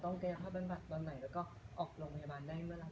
ต้องแก้อัฏราเป็นวัดวันไหนแล้วก็ออกโรงพยาบาลได้เมื่อไหร่